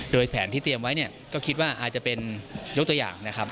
โดยแผนที่เตรียมไว้เนี่ยก็คิดว่าอาจจะเป็นยกตัวอย่างนะครับ